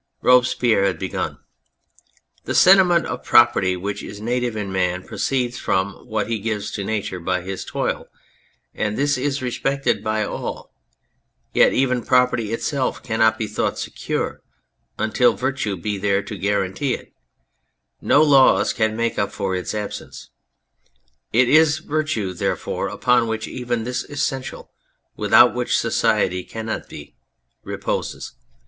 Robespierre had begun :" The sentiment of property which is native in man proceeds from what he gives to Nature by his toil, and this is respected by all, yet even property itself cannot be thought secure until Virtue be there to guarantee it, no laws can make up for its absence. It is Virtue, therefore, upon which even this essential, without which society cannot be, reposes.